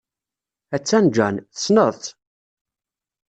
Attan Jane. Tessneḍ-tt?